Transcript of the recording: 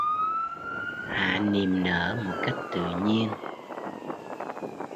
Hạ niềm nở một cách tự nhiên